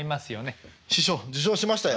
師匠受賞しましたよ。